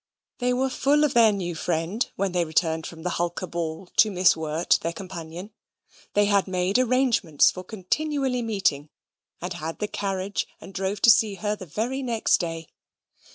They were full of their new friend when they returned from the Hulker ball to Miss Wirt, their companion; they had made arrangements for continually meeting, and had the carriage and drove to see her the very next day.